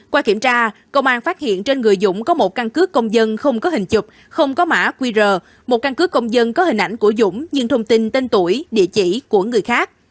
qua kiểm tra công an phát hiện trên người dũng có một căn cứ công dân không có hình chụp không có mã qr một căn cứ công dân có hình ảnh của dũng nhưng thông tin tên tuổi địa chỉ của người khác